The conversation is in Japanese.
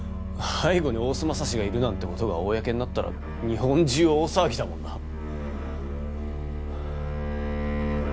背後に大須匡がいるなんてことが公になったら日本中大騒ぎだもんな。